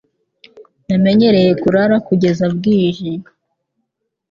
Namenyereye kurara kugeza bwije.